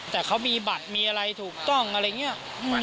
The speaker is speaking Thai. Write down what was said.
แต่เขามีบัตรมีอะไรถูกต้องอะไรอย่างนี้